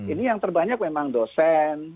ini yang terbanyak memang dosen